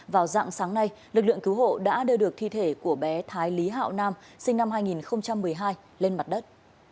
vào dạng sáng nay lực lượng cứu hộ đã đưa được thi thể của bé thái lý hạo nam sinh năm hai nghìn một mươi hai lên mặt đất